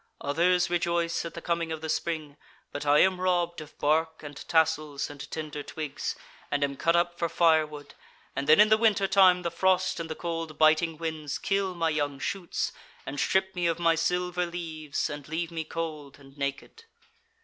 Others rejoice at the coming of the spring, but I am robbed of bark and tassels and tender twigs, and am cut up for firewood, and then in the winter time the frost and the cold biting winds kill my young shoots and strip me of my silver leaves and leave me cold and naked.'